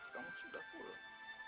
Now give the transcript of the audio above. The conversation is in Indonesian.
kamu sudah pulang